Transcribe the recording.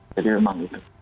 jadi memang itu